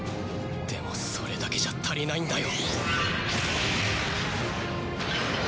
でもそれだけじゃ足りないんだよ。